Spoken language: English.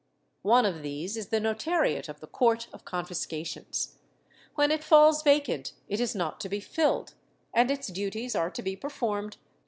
One of these is the notariate of the court of confiscations; when it falls vacant it is not to be filled, and its duties are to be performed by ^ Archivo hist, nacional, Inq.